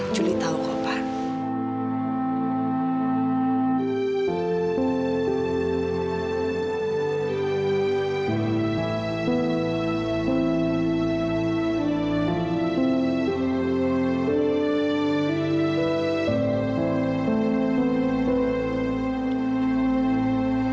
juli tahu pak